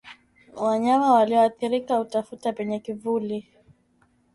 Wanyama walioathirika hutafuta penye kivuli